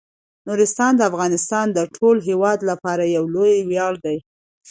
نورستان د افغانستان د ټولو هیوادوالو لپاره یو لوی ویاړ دی.